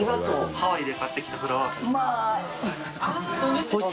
ハワイで買ってきたフラワーペン店主）